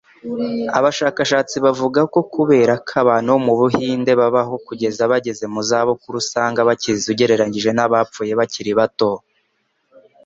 abashakashatsi bavuga ko, kubera ko abantu bo mu Buhinde babaho kugeza bageze mu za bukuru usanga bakize ugereranije n'abapfuye bakiri bato.